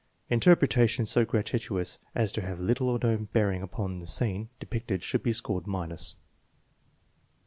Interpretations so gratuitous as to have little or no bearing upon the scene depicted should be scored minus.